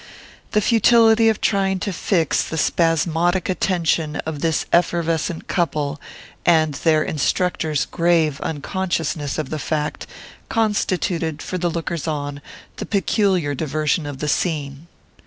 The futility of trying to fix the spasmodic attention of this effervescent couple, and their instructor's grave unconsciousness of the fact, constituted, for the lookers on, the peculiar diversion of the scene.